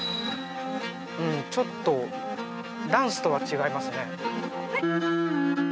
うんちょっとダンスとは違いますね